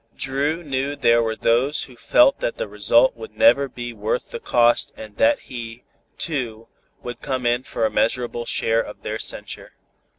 Dru knew there were those who felt that the result would never be worth the cost and that he, too, would come in for a measurable share of their censure.